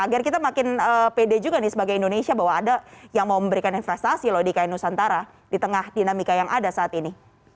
agar kita makin pede juga nih sebagai indonesia bahwa ada yang mau memberikan investasi loh di kn nusantara di tengah dinamika yang ada saat ini